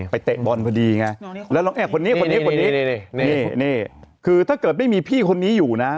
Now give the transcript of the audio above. เตะบอลพอดีไงแล้วน้องแอบคนนี้คนนี้คนนี้นี่คือถ้าเกิดไม่มีพี่คนนี้อยู่นะ